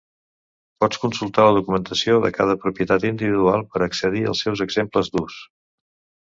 Pots consultar la documentació de cada propietat individual per a accedir als seus exemples d'ús.